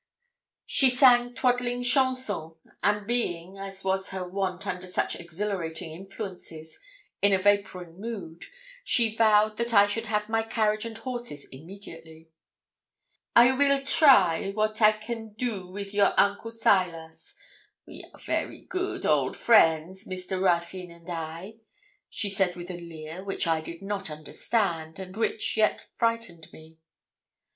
She sang twaddling chansons, and being, as was her wont under such exhilarating influences, in a vapouring mood, she vowed that I should have my carriage and horses immediately. 'I weel try what I can do weeth your Uncle Silas. We are very good old friends, Mr. Ruthyn and I,' she said with a leer which I did not understand, and which yet frightened me.